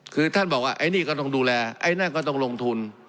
คือท่านบอกว่าไอ้นี่ก็ต้องดูแลไอ้นั่นก็ต้องลงทุน